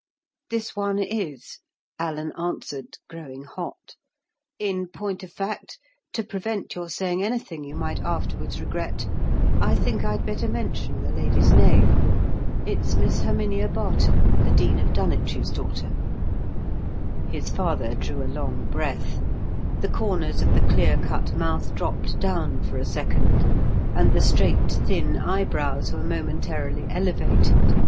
"This one is," Alan answered, growing hot. "In point of fact, to prevent your saying anything you might afterwards regret, I think I'd better mention the lady's name. It's Miss Herminia Barton, the Dean of Dunwich's daughter." His father drew a long breath. The corners of the clear cut mouth dropped down for a second, and the straight, thin eyebrows were momentarily elevated.